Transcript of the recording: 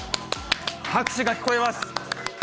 拍手が聞こえます。